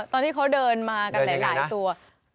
ตอนที่เขาเดินมากันหลายตัว